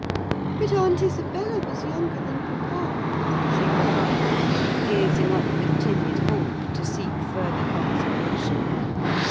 "But Aunt Isabella was younger than papa," she remarked, gazing up with timid hope to seek further consolation.